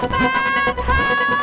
tolong ada copet